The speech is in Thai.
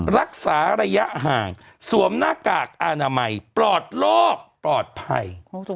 รักษาระยะห่างสวมหน้ากากอนามัยปลอดโลกปลอดภัย